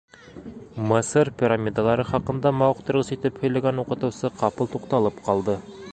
Мысыр пирамидалары хаҡында мауыҡтырғыс итеп һөйләгән уҡытыусы ҡапыл туҡталып ҡалды.